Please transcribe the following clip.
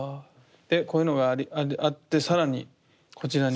でこういうのがあって更にこちらに。